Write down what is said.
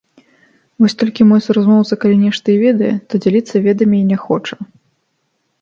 Вось толькі мой суразмоўца калі нешта і ведае, то дзяліцца ведамі не хоча.